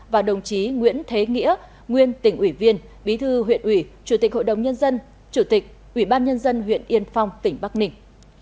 và đồng chí nguyễn thế nghĩa nguyên tỉnh ủy viên bí thư huyện ủy chủ tịch hội đồng nhân dân chủ tịch ủy ban nhân dân huyện yên phong tỉnh bắc ninh